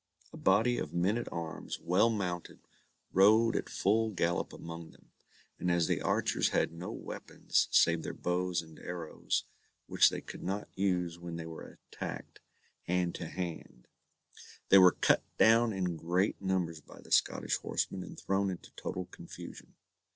A body of men at arms, well mounted, rode at full gallop among them, and as the archers had no weapons save their bows and arrows, which they could not use when they were attacked hand to hand, they were cut down in great numbers by the Scottish horsemen, and thrown into total confusion.